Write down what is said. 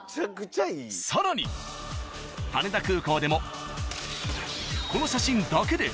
［さらに羽田空港でもこの写真だけで］